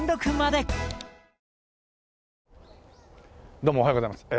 どうもおはようございます。